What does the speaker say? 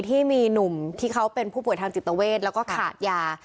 ที่มีหนุ่มที่เขาเป็นผู้ป่วยทางจิตเวทแล้วก็ขาดยา